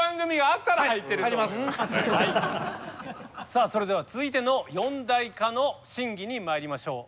さあそれでは続いての四大化の審議にまいりましょう。